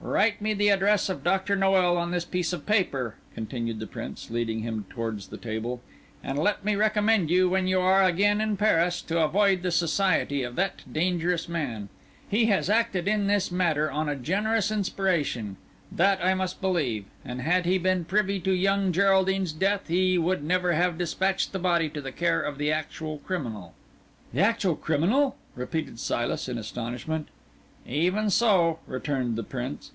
"Write me the address of Doctor Noel on this piece of paper," continued the Prince, leading him towards the table; "and let me recommend you, when you are again in Paris, to avoid the society of that dangerous man. He has acted in this matter on a generous inspiration; that I must believe; had he been privy to young Geraldine's death he would never have despatched the body to the care of the actual criminal." "The actual criminal!" repeated Silas in astonishment. "Even so," returned the Prince.